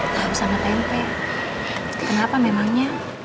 tahu sama tempe kenapa memangnya